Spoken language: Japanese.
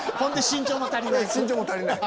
身長も足りない。